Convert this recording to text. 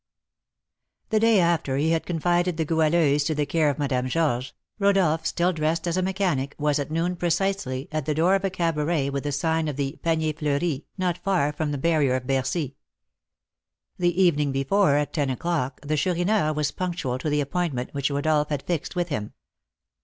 The day after he had confided the Goualeuse to the care of Madame Georges, Rodolph, still dressed as a mechanic, was, at noon precisely, at the door of a cabaret with the sign of the Panier Fleuri, not far from the barrier of Bercy. The evening before, at ten o'clock, the Chourineur was punctual to the appointment which Rodolph had fixed with him.